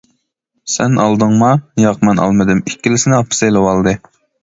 -سەن ئالدىڭما؟ -ياق مەن ئالمىدىم، ئىككىلىسىنى ئاپىسى ئېلىۋالدى.